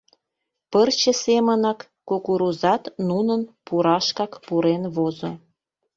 Пырче семынак, кукурузат нунын пурашкак пурен возо.